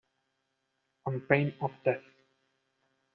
On pain of death